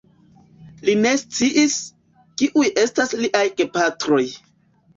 Li ne sciis, kiuj estas liaj gepatroj.